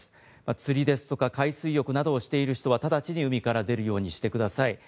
釣りですとか海水浴などをしている人は直ちに海から出るようにしてください。